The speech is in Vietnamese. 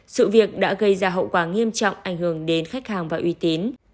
sự việc đã gây ra hậu quả nghiêm trọng ảnh hưởng đến khách hàng và uy tín